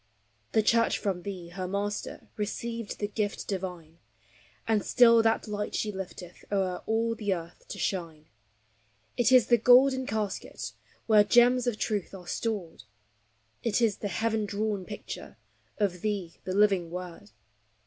The Church from thee, her Master, Received the gift divine; And still that light she lifteth O'er all the earth to shine. It is the golden casket Where gems of truth are stored; It is the heaven drawn picture Of, thee, the living Word.